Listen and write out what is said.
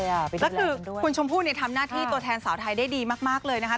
แล้วคือคุณชมพู่ทำหน้าที่ตัวแทนสาวไทยได้ดีมากเลยนะคะ